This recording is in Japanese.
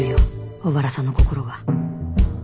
小原さんの心が